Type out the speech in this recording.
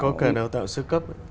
có cái đào tạo sư cấp